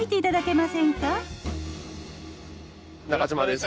中島です。